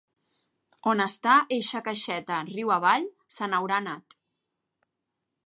On està eixa caixeta Riu avall se n’haurà anat.